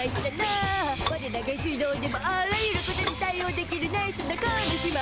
ワレら下水道でもあらゆることに対おうできるナイスな亀姉妹！